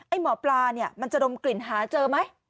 หมอปลาเนี่ยมันจะดมกลิ่นหาเจอไหม